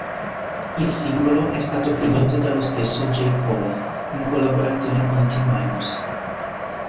Il singolo è stato prodotto dallo stesso J. Cole, in collaborazione con T-Minus.